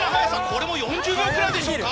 これも４０秒くらいでしょうか。